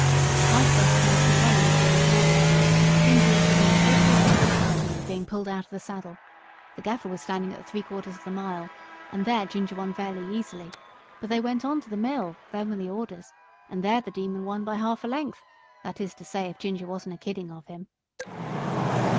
"I started making the running according to orders. Ginger was within three quarters of a length of me, being pulled out of the saddle. The Gaffer was standing at the three quarters of the mile, and there Ginger won fairly easily, but they went on to the mile them were the orders and there the Demon won by half a length, that is to say if Ginger wasn't a kidding of him."